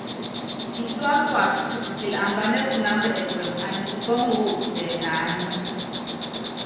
Ncúá kuasɔ́, kisikili ambanɛ́ kunámba ɛkuɛmɛ, anyi kupɔ́ŋɔ wú tɛnaánɛ.